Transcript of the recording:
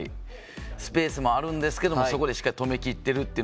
スペースもあるんですけどそこでしっかり止めきっているという。